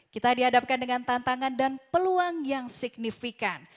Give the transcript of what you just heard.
kita dihadapkan dengan tantangan dan peluang yang signifikan